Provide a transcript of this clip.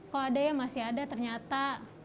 kok ada yang masih ada ternyata